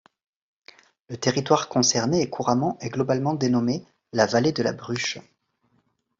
Le territoire concerné est couramment et globalement dénommé la Vallée de la Bruche.